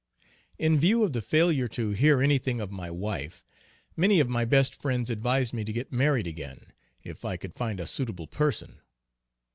_ In view of the failure to hear any thing of my wife, many of my best friends advised me to get married again, if I could find a suitable person.